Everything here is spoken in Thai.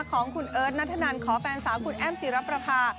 ของคุณเอิชณธนันขอแฟนสาวคุณแอ้มสิรปรภา